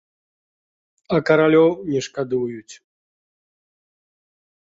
А каралёў не шкадуюць.